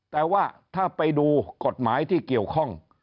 แต่ว่าถ้าไปดูกฎหมายที่เกี่ยวข้อง